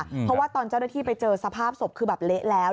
เพราะว่าตอนเจ้าหน้าที่ไปเจอสภาพศพคือแบบเละแล้ว